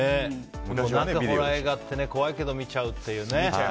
何か、ホラー映画って怖いけど見ちゃうっていうね。